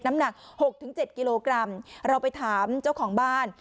น้ำหนัก๖๗กิโลกรัมเราไปถามเจ้าของบ้าน